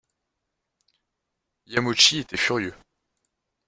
Yamauchi était furieux.